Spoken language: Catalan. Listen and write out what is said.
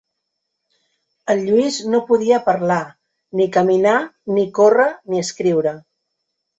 El Lluís no podia parlar ni caminar ni córrer ni escriure...